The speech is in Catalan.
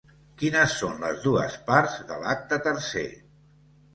Quines són les dues parts de l'acte tercer?